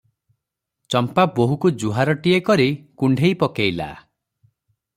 ଚମ୍ପା ବୋହୂକୁ ଜୁହାରଟିଏ କରି କୁଣ୍ଢେଇ ପକେଇଲା ।